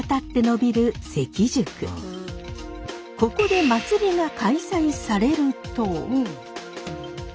ここで祭りが開催されると。